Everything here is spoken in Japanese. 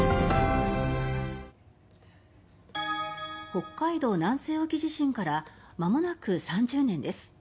北海道南西沖地震からまもなく３０年です。